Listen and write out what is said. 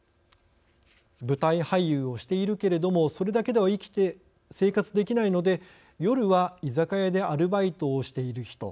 舞台俳優をしているけれどもそれだけでは生活できないので夜は居酒屋でアルバイトをしている人。